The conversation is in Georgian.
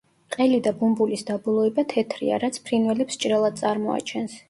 ყელი და ბუმბულის დაბოლოება თეთრია, რაც ფრინველებს ჭრელად წარმოაჩენს.